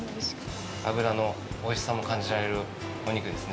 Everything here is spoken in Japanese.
脂のおいしさも感じられるお肉ですね。